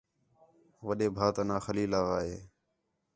وݙے بھا تا ناں خلیل آغا ہے